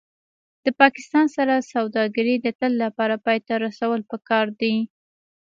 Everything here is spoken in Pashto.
د پاکستان سره سوداګري د تل لپاره پای ته رسول پکار دي